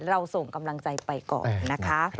เราส่งกำลังใจไปก่อนนะคะ